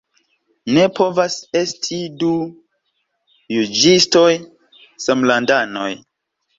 Ne povas esti du juĝistoj samlandanoj.